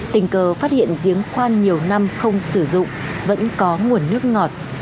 tình cờ phát hiện giếng khoan nhiều năm không sử dụng vẫn có nguồn nước ngọt